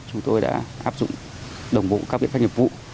chúng tôi đã áp dụng đồng bộ các biện pháp nghiệp vụ